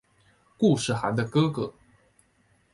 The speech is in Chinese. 固始汗的哥哥。